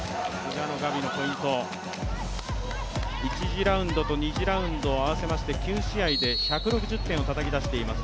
１次ラウンドと２次ラウンド合わせまして９試合で１６０点をたたき出しています